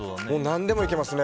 何でもいけますね。